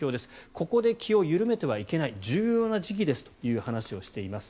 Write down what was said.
ここで気を緩めてはいけない重要な時期ですという話をしています。